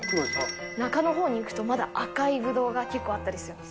中のほうに行くと、まだ赤いぶどうが結構あったりするんです。